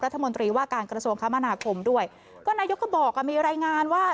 รัฐมนตรีว่าการกระทรวงคมนาคมด้วยก็นายกก็บอกอ่ะมีรายงานว่า